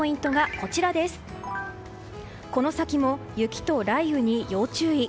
この先も雪と雷雨に要注意。